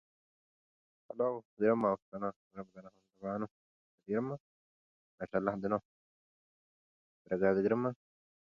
The first residents were immigrants, some of whom were Holocaust survivors.